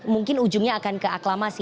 mungkin ujungnya akan keaklamasi